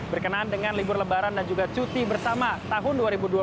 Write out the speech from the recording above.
berkenaan dengan libur lebaran dan juga cuti bersama tahun dua ribu dua puluh